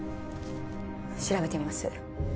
調べてみます